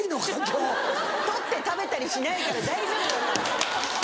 取って食べたりしないから大丈夫だから。